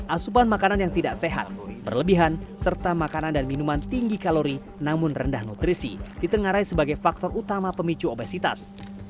asupan makanan yang tidak sehat berlebihan serta makanan dan minuman tinggi kalori namun rendah nutrisi ditengarai sebagai faktor utama pemicu obesitas